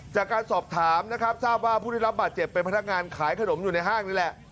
จากการสอบถามนะครับทราบว่าผู้ได้รับบาดเจ็บเป็นพนักงานขายขนมอยู่ในห้างนี่แหละ